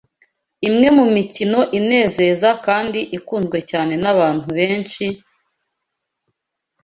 Imwe mu mikino inezeza kandi ikunzwe cyane n’abantu benshi,